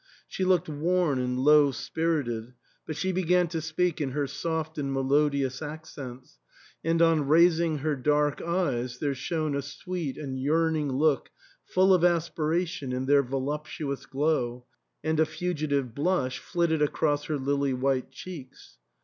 She looked worn and low spirited ; but she began to speak in her soft and melodious accents, and on raising her dark eyes there shone a sweet and yearning look full of aspira tion in their voluptuous glow, and a fugitive blush flitted across her lily white cheeks.